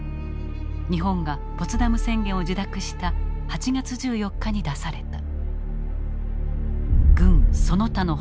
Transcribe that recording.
日本がポツダム宣言を受諾した８月１４日に出された。